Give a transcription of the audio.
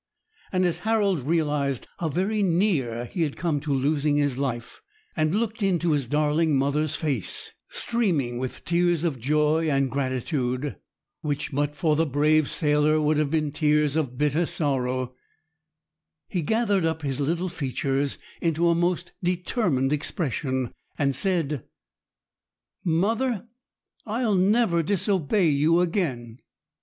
And as Harold realized how very near he had come to losing his life, and looked into his darling mother's face streaming with tears of joy and gratitude, which but for the brave sailor would have been tears of bitter sorrow, he gathered up his little features into a most determined expression, and said,— "Mother, I'll never disobey you again."